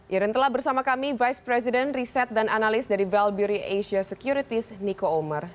ya dan telah bersama kami vice president riset dan analis dari valbiri asia security niko omar